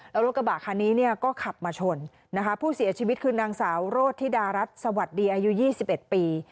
แล้วรถกระบะคันนี้เนี่ยก็ขับมาชนนะคะผู้เสียชีวิตคือนางสาวโรธิดารัฐสวัสดีอายุ๒๑ปี